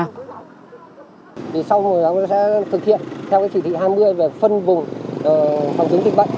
sau đó ông sẽ thực hiện theo chỉ thị hai mươi